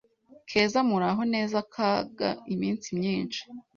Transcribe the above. Keza: Muraho neza Kaga Iminsi myinshi